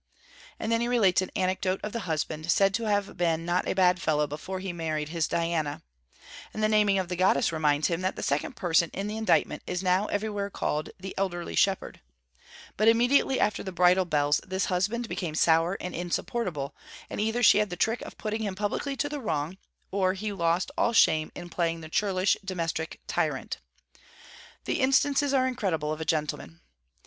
And then he relates an anecdote of the husband, said to have been not a bad fellow before he married his Diana; and the naming of the Goddess reminds him that the second person in the indictment is now everywhere called 'The elderly shepherd'; but immediately after the bridal bells this husband became sour and insupportable, and either she had the trick of putting him publicly in the wrong, or he lost all shame in playing the churlish domestic tyrant. The instances are incredible of a gentleman.